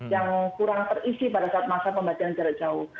yang kurang terisi pada saat masa pembelajaran jarak jauh